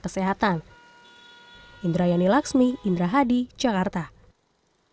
kesehatan indra yani laxmi indra hadi jakarta hai hai